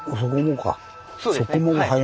そこもか。